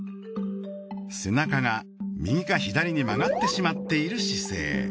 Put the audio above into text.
背中が右か左に曲がってしまっている姿勢。